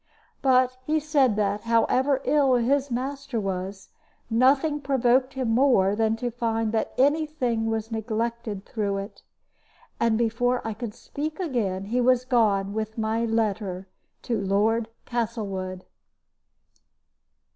But he said that, however ill his master was, nothing provoked him more than to find that any thing was neglected through it. And before I could speak again he was gone with my letter to Lord Castlewood.